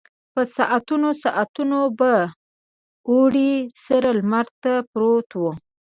په ساعتونو ساعتونو به د اوړي سره لمر ته پروت و.